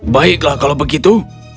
baiklah kalau begitu